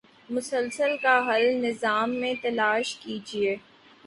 مسائل کا حل نظام میں تلاش کیجیے۔